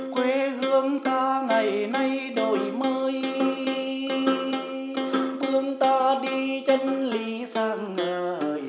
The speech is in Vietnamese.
quê hương ta ngày nay đổi mới vương ta đi chân lý sáng ngời